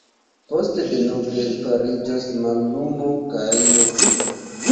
Poste denove fariĝos mallumo kaj nokto.